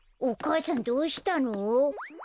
お母さんどうしたの？